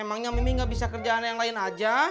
emangnya mimi gak bisa kerjaan yang lain aja